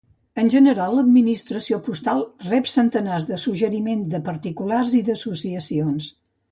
En general l'administració postal rep centenars de suggeriments de particulars i d'associacions.